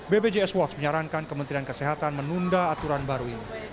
bpjs watch menyarankan kementerian kesehatan menunda aturan baru ini